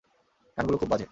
গানগুলো খুব বাজে!